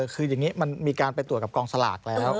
คืออย่างนี้มันมีการไปตรวจกับกองสลากแล้ว